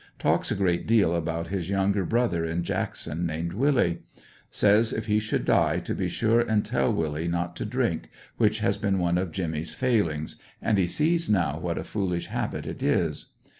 Talks a ? reat deal about his younger bro ther in Jackson, named Willie. Says if he should die to be sure and tell Willie not to drink, which has been one of Jimmy's failings, and he sees now what a foolish habit it is.